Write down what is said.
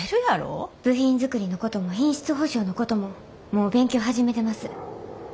部品作りのことも品質保証のことももう勉強始めてます。